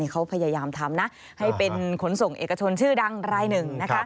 เขาพยายามทำนะให้เป็นขนส่งเอกชนชื่อดังรายหนึ่งนะคะ